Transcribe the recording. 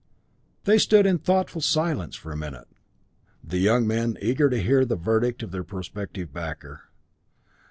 They stood in thoughtful silence for a minute the young men eager to hear the verdict of their prospective backer.